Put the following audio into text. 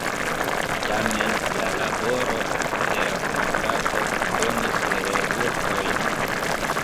Tamen la laboro de la komitato donis rezultojn.